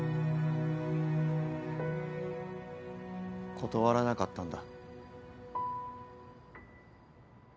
断らなかったんだ。